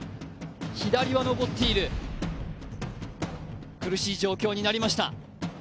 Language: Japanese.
左は残っている、苦しい状況になりました。